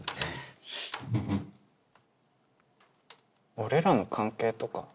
「俺らの関係とか？」。